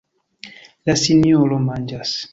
La sinjoro manĝas.